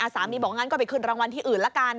บอกงั้นก็ไปขึ้นรางวัลที่อื่นละกัน